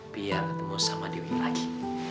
biar ketemu sama dewi lagi